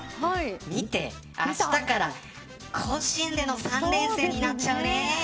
あしたから、甲子園での３連戦になっちゃうね。